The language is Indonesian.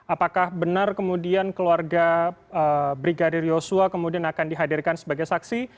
apakah benar kemudian keluarga brigadir yosua kemudian akan dihadirkan sebagai saksi